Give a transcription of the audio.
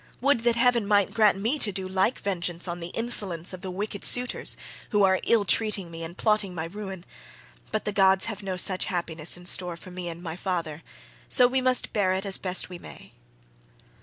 Would that heaven might grant me to do like vengeance on the insolence of the wicked suitors, who are ill treating me and plotting my ruin; but the gods have no such happiness in store for me and for my father, so we must bear it as best we may."